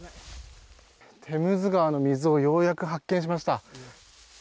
テムズ川の水をようやく発見しました。